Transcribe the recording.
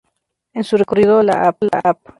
En su recorrido la Av.